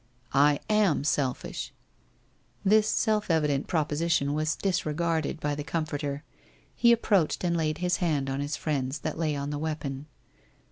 * I am selfish/ This self evident proposition was disregarded by the comforter. He approached and laid his hand on his friend's that lay on the weapon.